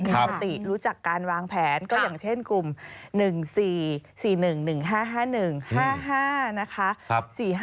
มีสติรู้จักการวางแผนก็อย่างเช่นกลุ่ม๑๔๔๑๑๕๕๑๕๕นะคะ